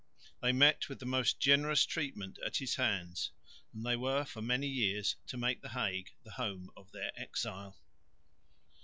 They met with the most generous treatment at his hands, and they were for many years to make the Hague the home of their exile.